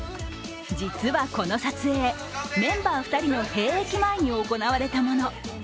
実はこの撮影、メンバー２人の兵役前に行われたもの。